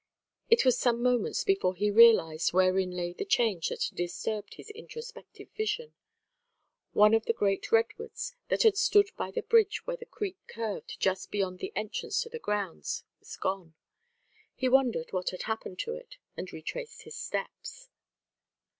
It was some moments before he realised wherein lay the change that had disturbed his introspective vision; one of the great redwoods that had stood by the bridge where the creek curved just beyond the entrance to the grounds, was gone. He wondered what had happened to it, and retraced his steps.